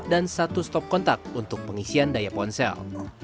dan satu stop kontak untuk pengisian daya ponsel